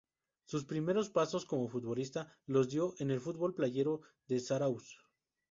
Sus primeros pasos como futbolista los dio en el fútbol playero de Zarauz.